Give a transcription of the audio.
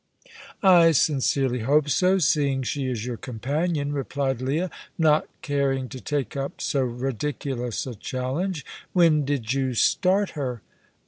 "I sincerely hope so, seeing she is your companion," replied Leah, not caring to take up so ridiculous a challenge. "When did you start her?"